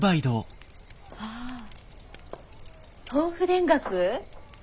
ああ豆腐田楽？